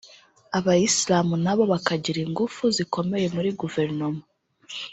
abayisiramu nabo bakagira ingufu zikomeye muri Guverinoma